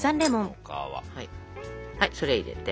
はいそれ入れて。